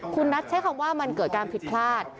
คุณนัทใช้คำว่ามันเกิดการผิดพลาด